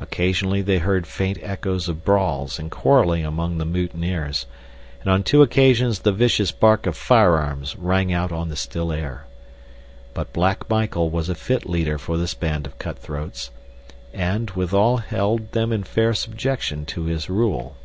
Occasionally they heard faint echoes of brawls and quarreling among the mutineers, and on two occasions the vicious bark of firearms rang out on the still air. But Black Michael was a fit leader for this band of cutthroats, and, withal held them in fair subjection to his rule.